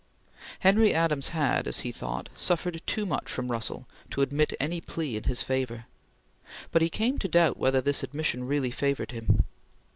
Henry Adams had, as he thought, suffered too much from Russell to admit any plea in his favor; but he came to doubt whether this admission really favored him.